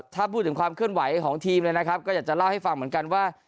ถ้าพูดถึงความเคลื่อนไหวของทีมเลยนะครับก็อยากจะเล่าให้ฟังเหมือนกันว่า